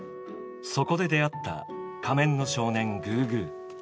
そこで出会った仮面の少年グーグー。